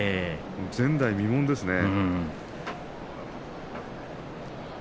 前代未聞ですね。